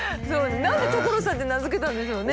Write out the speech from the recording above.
何で「トコロサン」って名付けたんでしょうね。